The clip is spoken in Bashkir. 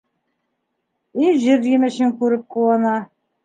Инжир емешен күреп ҡыуана.